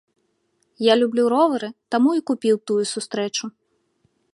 Я люблю ровары, таму і купіў тую сустрэчу.